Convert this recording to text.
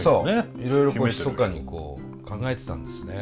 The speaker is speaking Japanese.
いろいろひそかに考えてたんですね。